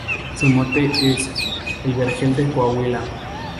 Su mote es "El Vergel de Coahuila".